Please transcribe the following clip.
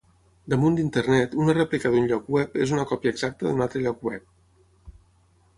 Damunt d'internet, una rèplica d'un lloc web és una còpia exacta d'un altre lloc web.